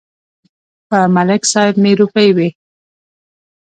په ملک صاحب مې روپۍ وې.